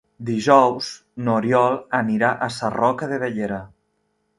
Dijous n'Oriol anirà a Sarroca de Bellera.